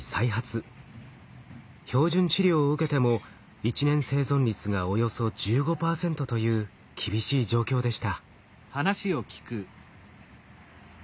標準治療を受けても１年生存率がおよそ１５％という厳しい状況でした。